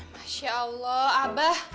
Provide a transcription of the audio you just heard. masya allah abah